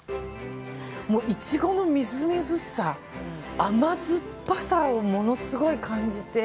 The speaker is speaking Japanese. もうイチゴのみずみずしさ甘酸っぱさをものすごい感じて。